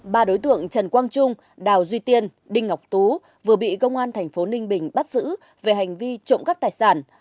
ba đối tượng trần quang trung đào duy tiên đinh ngọc tú vừa bị công an thành phố ninh bình bắt giữ về hành vi trộm cắp tài sản